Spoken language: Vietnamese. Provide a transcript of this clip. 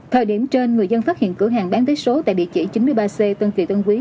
thời điểm trên người dân phát hiện cửa hàng bán vé số tại địa chỉ chín mươi ba c tân kỳ tân quý